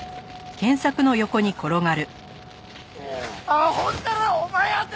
あほんだらはお前やて！